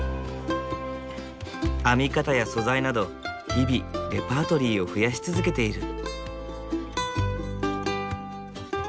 編み方や素材など日々レパートリーを増やし続けている。